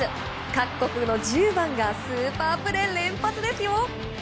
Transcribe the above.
各国の１０番がスーパープレー連発ですよ。